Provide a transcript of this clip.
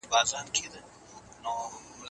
اګوستین د نړۍ تاریخ ته کلي نظر اچولی دی.